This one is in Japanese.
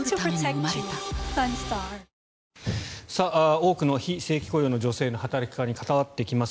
多くの非正規雇用の女性の働き方に関わってきます